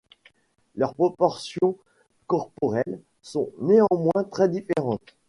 Leurs proportions corporelles sont néanmoins très différentes.